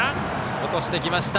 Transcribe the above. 落としてきました。